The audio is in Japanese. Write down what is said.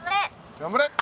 頑張れ！